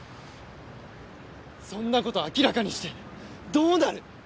そんな事明らかにしてどうなる！